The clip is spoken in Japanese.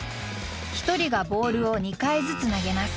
１人がボールを２回ずつ投げます。